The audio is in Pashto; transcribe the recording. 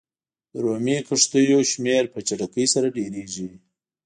د رومي کښتیو شمېر په چټکۍ سره ډېرېږي.